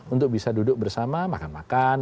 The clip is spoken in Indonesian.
untuk bisa duduk bersama makan makan